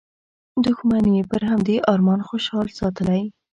دوښمن یې پر همدې ارمان خوشحال ساتلی.